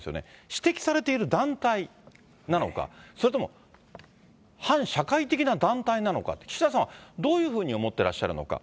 指摘されている団体なのか、それとも反社会的な団体なのか、岸田さんはどういうふうに思ってらっしゃるのか。